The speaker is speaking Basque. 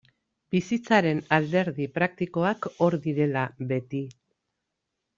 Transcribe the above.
Bizitzaren alderdi praktikoak hor direla beti.